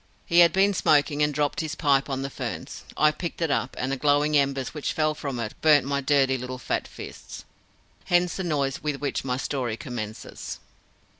He had been smoking, and dropped his pipe on the ferns. I picked it up, and the glowing embers which fell from it burnt my dirty little fat fists. Hence the noise with which my story commences.